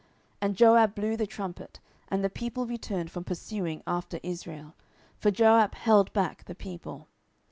10:018:016 And Joab blew the trumpet, and the people returned from pursuing after Israel: for Joab held back the people.